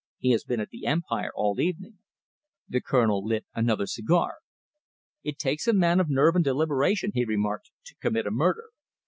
"He has been at the Empire all the evening." The Colonel lit another cigar. "It takes a man of nerve and deliberation," he remarked, "to commit a murder.